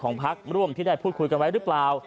พักร่วมที่ได้พูดคุยกันไว้หรือเปล่า